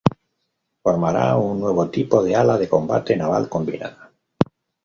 Formará un nuevo tipo de ala de combate naval combinada.